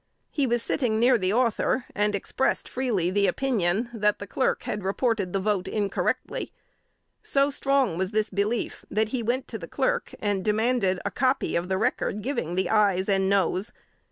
He was sitting near the Author, and expressed freely the opinion, that the Clerk had reported the vote incorrectly. So strong was this belief, that he went to the Clerk, and demanded a copy of the record giving the ayes and noes.